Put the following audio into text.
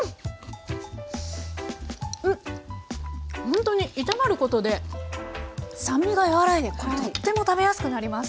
ほんとに炒まることで酸味が和らいでとっても食べやすくなります。